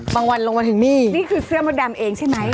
วันลงมาถึงนี่นี่คือเสื้อมดดำเองใช่ไหม